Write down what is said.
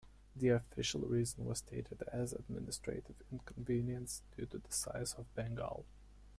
The official reason was stated as administrative inconvenience due to the size of Bengal.